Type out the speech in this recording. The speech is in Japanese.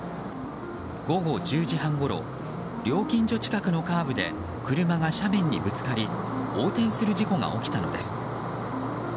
午後１０時半ごろ料金所近くのカーブで車が斜面にぶつかり横転する事故が起きたのです。